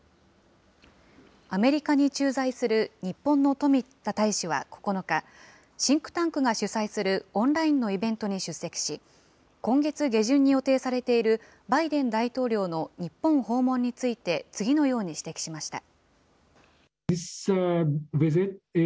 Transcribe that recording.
アメリカに駐在する日本の冨田大使は９日、シンクタンクが主催するオンラインのイベントに出席し、今月下旬に予定されているバイデン大統領の日本訪問について、次のように指摘しました。